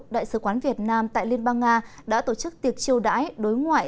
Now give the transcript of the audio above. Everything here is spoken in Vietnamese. đại sứ quán việt nam tại liên bang nga đã tổ chức tiệc chiêu đãi đối ngoại